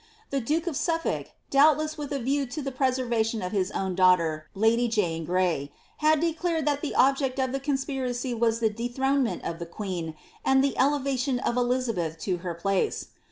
The duke of Suffolk, doubdess with a view to the preservation of his own daughter, lady Js'ie Gray, had declared that the object of the conspiracy was the dethronement of the queen, and the elevation of Elizabeth to her place.